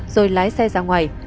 rồi lái xe ra ngoài